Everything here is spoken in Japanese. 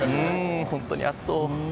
本当に暑そう。